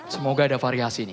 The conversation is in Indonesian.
semoga ada variasi